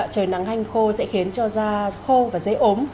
trời nắng hanh khô sẽ khiến cho da khô và dễ ốm